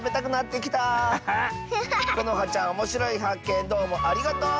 このはちゃんおもしろいはっけんどうもありがとう！